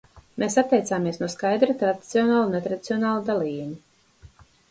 Mēs atteicāmies no skaidra, tradicionāla un netradicionāla dalījuma.